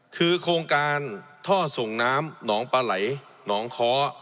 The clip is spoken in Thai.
คือโครงการท่อส่งน้ำหนองปลาไหลหนองค้อ